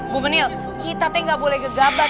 bu menil kita teh gak boleh gegabat